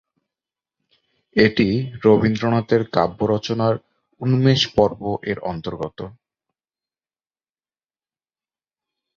এটি রবীন্দ্রনাথের কাব্য রচনার "উন্মেষ পর্ব"-এর অন্তর্গত।